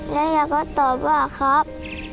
แล้วอยากก็ตอบว่าครับ